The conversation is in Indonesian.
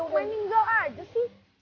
gue ninggal aja sih